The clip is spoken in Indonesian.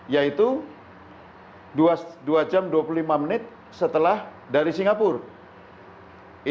yaitu dua jam dua puluh lima menit setelah dari singapura